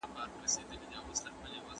د سړې زنځیر ماتیدل څه پایلي لري؟